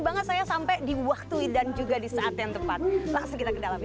banget saya sampai diwaktu dan juga di saat yang tepat masih kita kedalam imwe dua